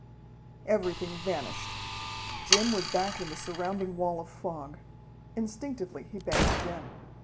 Everything vanished. Jim was back in the surrounding wall of fog. Instinctively he banked again.